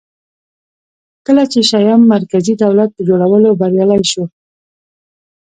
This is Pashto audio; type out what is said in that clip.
کله چې شیام مرکزي دولت په جوړولو بریالی شو